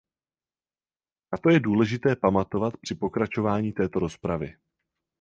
Na to je důležité pamatovat při pokračování této rozpravy.